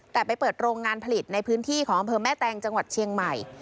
แต่ไปเปิดโรงงานผลิตในพื้นที่ของอำเภอแม่แตงจังหวัดเชียงใหม่